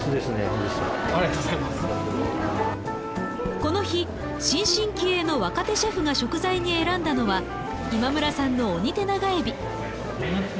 この日新進気鋭の若手シェフが食材に選んだのは今村さんのオニテナガエビ。